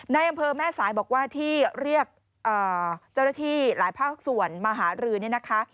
ในอำเภอแม่สายบอกว่าที่เรียกเจ้าหน้าที่หลายภาคส่วนมาหารือเนี่ยนะคะ